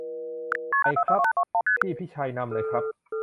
ไปครับ พี่พิชัยนำเลยครับ